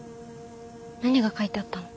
何が書いてあったの？